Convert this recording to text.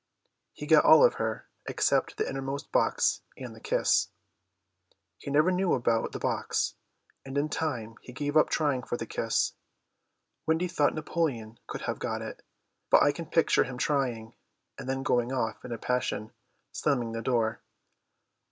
He got all of her, except the innermost box and the kiss. He never knew about the box, and in time he gave up trying for the kiss. Wendy thought Napoleon could have got it, but I can picture him trying, and then going off in a passion, slamming the door.